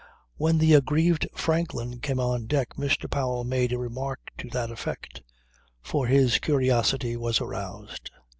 When the aggrieved Franklin came on deck Mr. Powell made a remark to that effect. For his curiosity was aroused.